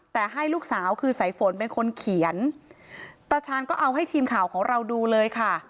แต่ให้ลูกสาวคือสายฝนเป็นคนเขียนตาชาญก็เอาให้ทีมข่าวของเราดูเลยค่ะ